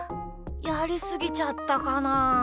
やりすぎちゃったかな？